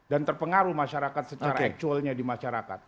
dan terpengaruh masyarakat secara aktualnya di masyarakat